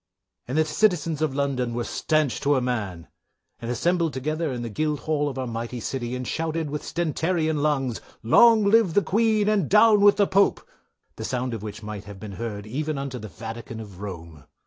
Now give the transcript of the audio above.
"And the citizens of London were stanch to a man, and assembled together in the Guildhall of our mighty City and shouted with stentarian lungs, long live the Queen and down with the Pope, the sound of which might have been heard even unto the vatican of Rome.